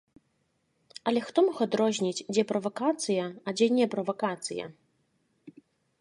Але хто мог адрозніць, дзе правакацыя, а дзе не правакацыя?!